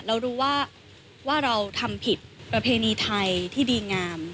เรารู้ว่าเราทำผิดประเพณีไทยที่ดีงาม